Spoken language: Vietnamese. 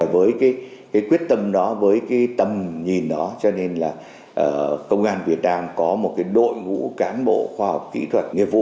với quyết tâm đó với tầm nhìn đó cho nên là công an việt nam có một đội ngũ cán bộ khoa học kỹ thuật